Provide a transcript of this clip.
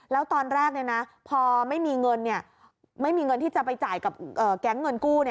แล้วตอนแรกนะพอไม่มีเงินที่จะไปจ่ายกับแก๊งเงินกู้